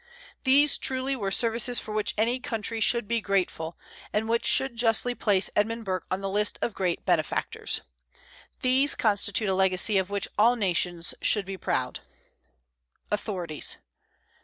These, truly, were services for which any country should be grateful, and which should justly place Edmund Burke on the list of great benefactors. These constitute a legacy of which all nations should be proud. AUTHORITIES.